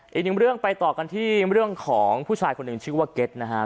อีกหนึ่งเรื่องไปต่อกันที่เรื่องของผู้ชายคนหนึ่งชื่อว่าเก็ตนะครับ